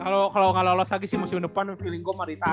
kalo kalo gak lolos lagi sih musim depan feeling gua mah retire ke orang